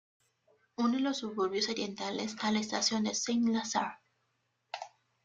Une los suburbios orientales a la estación de Saint-Lazare.